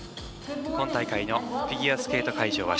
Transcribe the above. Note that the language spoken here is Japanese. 今大会のフィギュアスケート会場